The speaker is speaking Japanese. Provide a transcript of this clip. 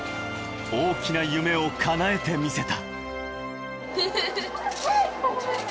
大きな夢をかなえて見せた。